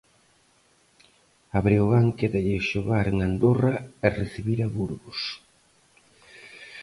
A Breogán quédalle xogar en Andorra e recibir a Burgos.